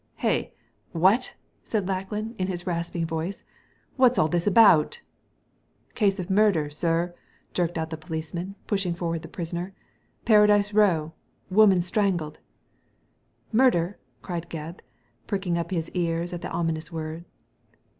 "Hey! What! said Lackland, in his rasping voice. " What's ail this about ?"" Case of murder, sir," jerked out the policeman, pushing forward the prisoner. "Paradise Row I Woman strangled I "•* Murder ?" cried Gebb, pricking up his ears at the ominous word.